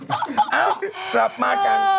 เอ้ากลับมากัน